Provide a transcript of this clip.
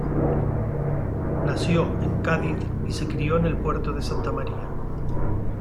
Nació en Cádiz y se crio en El Puerto de Santa María.